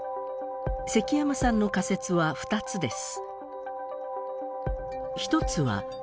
積山さんの仮説は２つです。